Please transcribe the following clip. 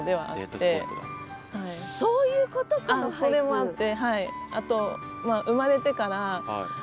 それもあって。